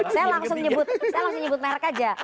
saya langsung nyebut merk aja